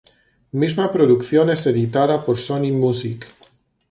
Misma producción es editada por Sony Music.